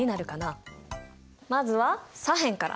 まずは左辺から。